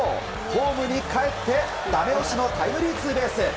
ホームにかえってダメ押しのタイムリーツーベース。